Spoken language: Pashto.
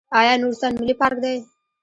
آیا نورستان ملي پارک دی؟